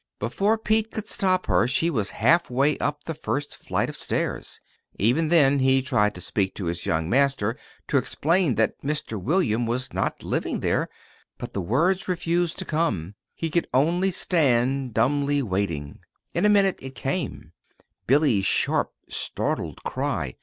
Before Pete could stop her she was half way up the first flight of stairs. Even then he tried to speak to his young master, to explain that Mr. William was not living there; but the words refused to come. He could only stand dumbly waiting. In a minute it came Billy's sharp, startled cry.